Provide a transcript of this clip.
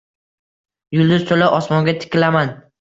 Yulduz to‘la osmonga tikilaman.